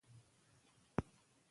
هغه وخت مې ښه ياد دي.